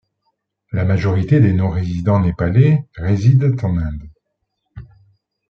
La majorité des non-résident népalais résident en Inde.